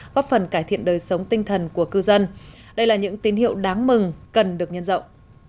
góp phần cải thiện đời sống tinh thần của cư dân đây là những tín hiệu đáng mừng cần được nhân rộng